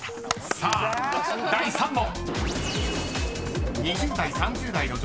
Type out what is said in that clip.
［さあ第３問］